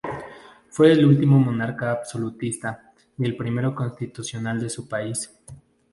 Fue el último monarca absolutista y el primero constitucional de su país.